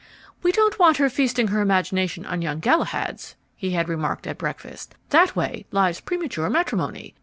"We don't want her feasting her imagination on young Galahads," he had remarked at breakfast. "That way lies premature matrimony.